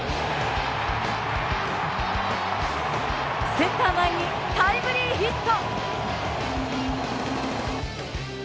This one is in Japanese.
センター前にタイムリーヒット。